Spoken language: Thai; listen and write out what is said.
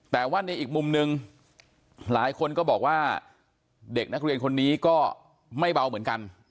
แต่ว่าในอีกมุมหนึ่งหลายคนก็บอกว่าเด็กนักเรียนคนนี้ก็ไม่เบาเหมือนกัน